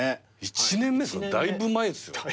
１年目だいぶ前っすよ。